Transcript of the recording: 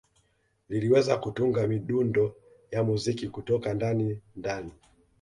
Liliweza kutunga midundo ya muziki kutoka ndanindani